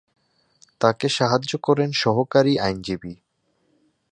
তাকে সাহায্য করেন সহকারী আইনজীবী।